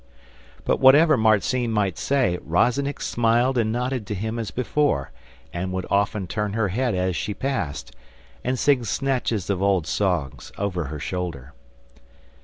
But whatever Marzinne might say Rozennik smiled and nodded to him as before, and would often turn her head as she passed, and sing snatches of old songs over her shoulder.